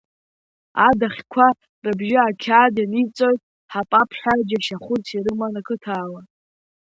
Адаӷьқәа рыбжьы ақьаад ианиҵоит ҳапап ҳәа џьашьахәыс ирыман ақыҭауаа.